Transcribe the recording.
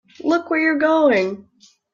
Look where you're going!